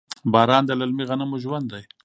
باران د للمي غنمو ژوند دی.